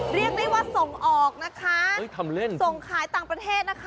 เรียกได้ว่าส่งออกนะคะทำเล่นส่งขายต่างประเทศนะคะ